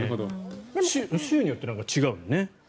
州によって違うのね。